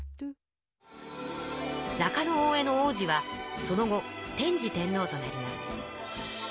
中大兄皇子はその後天智天皇となります。